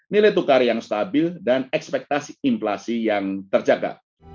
nilai tukar yang stabil dan ekspektasi inflasi yang terjaga